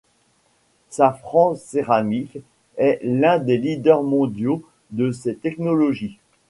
Safran Ceramics est l'un des leaders mondiaux de ces technologies.